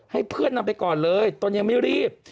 ให้เพื่อนนำไปก่อนเลยตนยังไม่รีบ